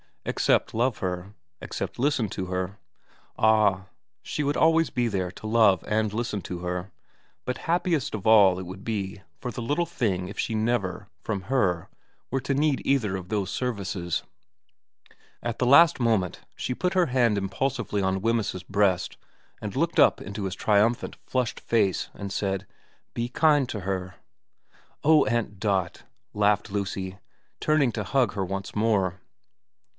Except love her. Except listen to her. Ah, she would always be there to love and listen to her ; but happiest of all it would be for the little thing if she never, from her, were to need either of those services. xm VERA 145 At the last moment she put her hand impul sively on Wemyss's breast and looked up into his triumphant, flushed face and said, ' Be kind to her.' ' Oh, Aunt Dot !' laughed Lucy, turning to hug her once more.